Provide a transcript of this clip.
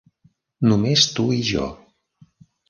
Només tu i jo.